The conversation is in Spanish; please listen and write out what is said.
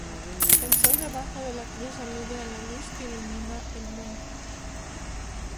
El sol debajo de la cruz alude a la luz que ilumina el mundo.